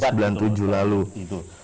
tahun sembilan puluh tujuh lalu